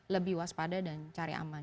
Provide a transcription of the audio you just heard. lebih waspada dan cari aman